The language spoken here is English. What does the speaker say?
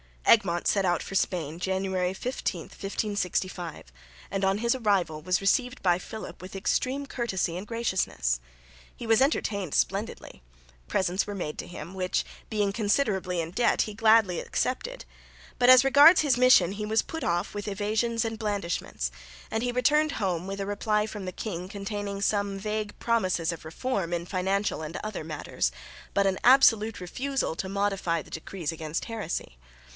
Egmont set out for Spain, January 15, 1565, and on his arrival was received by Philip with extreme courtesy and graciousness. He was entertained splendidly; presents were made to him, which, being considerably in debt, he gladly accepted; but as regards his mission he was put off with evasions and blandishments, and he returned home with a reply from the king containing some vague promises of reform in financial and other matters, but an absolute refusal to modify the decrees against heresy.